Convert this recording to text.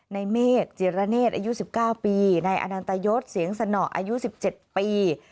ในเมฆจิรเนศอายุ๑๙ปีนายอนันตยศเสียงสนออายุ๑๗ปี